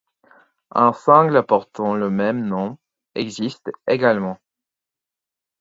Un single portant le même nom existe également.